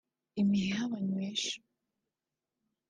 Imiheha banywesha